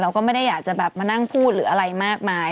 ก็ไม่ได้อยากจะแบบมานั่งพูดหรืออะไรมากมาย